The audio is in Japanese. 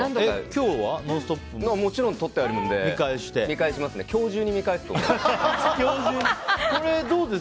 もちろんとってあるので今日中に見返すと思います。